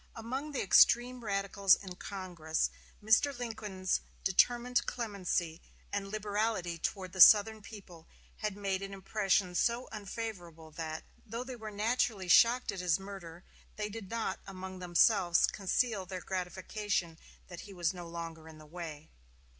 Among the extreme radicals in Congress, Mr. Lincoln's determined clemency and liberality toward the Southern people had made an impression so unfavorable that, though they were naturally shocked at his murder, they did not, among themselves, conceal their gratification that he was no longer in the way.